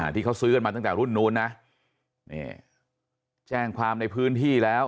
ที่เขาซื้อกันมาตั้งแต่รุ่นนู้นนะนี่แจ้งความในพื้นที่แล้ว